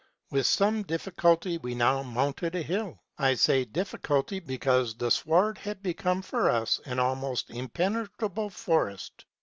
" With some difficulty we now mounted a hill : I say dif ficulty, because the sward had become for us an almost im penetrable forest.